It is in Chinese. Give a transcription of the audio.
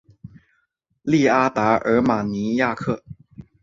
利阿达尔马尼亚克。